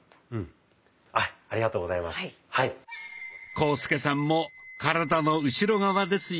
浩介さんも体の後ろ側ですよ。